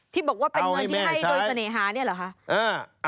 ที่บอกว่าเป็นเงินที่ให้โดยเสน่หาเนี่ยเหรอคะ